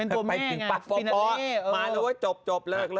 ทำไมอ่ะไปถึงปักฟ้อมารู้ว่าจบเลิก